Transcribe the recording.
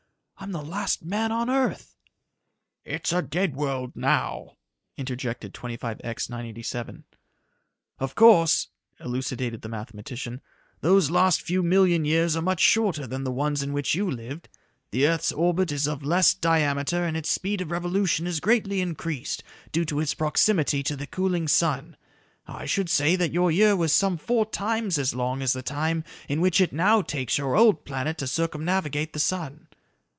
I'm the last man on earth!" "It is a dead world now," interjected 25X 987. "Of course," elucidated the mathematician, "those last few million years are much shorter than the ones in which you lived. The earth's orbit is of less diameter and its speed of revolution is greatly increased, due to its proximity to the cooling sun. I should say that your year was some four times as long as the time in which it now takes your old planet to circumnavigate the sun.